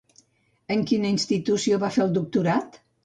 I en quina institució va fer el doctorat?